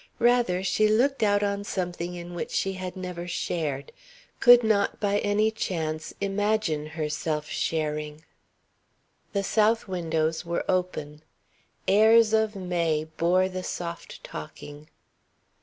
Rather, she looked out on something in which she had never shared, could not by any chance imagine herself sharing. The south windows were open. Airs of May bore the soft talking.